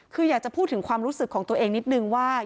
คืออยากจะพูดถึงความรู้สึกของตัวเองนิดนึงว่า